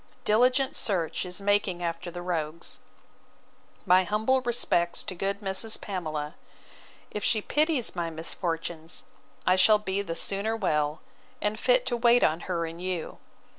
Diligent search is making after the rogues. My humble respects to good Mrs. Pamela: if she pities my misfortunes, I shall be the sooner well, and fit to wait on her and you.